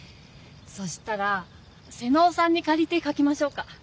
そしたら妹尾さんにかりてかきましょうか。